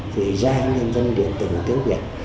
thì ra nhân dân điện tử tiếng việt